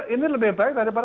ini lebih baik daripada